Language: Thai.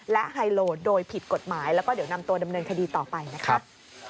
และไฮโลโดยผิดกฎหมายแล้วก็เดี๋ยวนำตัวดำเนินคดีต่อไปนะครับ